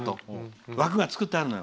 枠が作ってあるのよ。